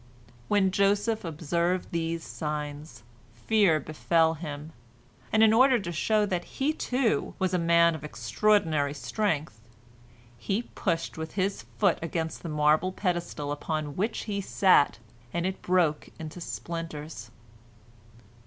When Joseph observed these signs, fear befell him, and in order to show that he, too, was a man of extraordinary strength, he pushed with his foot against the marble pedestal upon which he sat, and it broke into splinters.